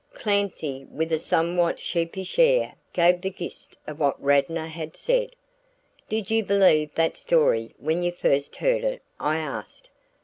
Clancy with a somewhat sheepish air gave the gist of what Radnor had said. "Did you believe that story when you first heard it?" I asked.